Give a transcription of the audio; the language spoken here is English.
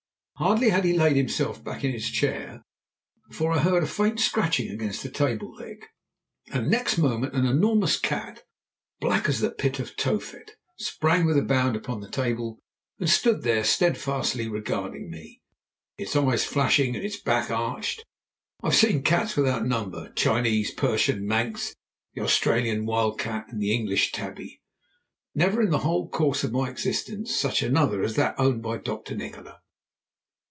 Hardly had he laid himself back in his chair before I heard a faint scratching against the table leg, and next moment an enormous cat, black as the Pit of Tophet, sprang with a bound upon the table and stood there steadfastly regarding me, its eyes flashing and its back arched. I have seen cats without number, Chinese, Persian, Manx, the Australian wild cat, and the English tabby, but never in the whole course of my existence such another as that owned by Dr. Nikola.